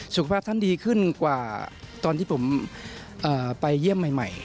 สุขภาพท่านดีขึ้นกว่าตอนที่ผมไปเยี่ยมใหม่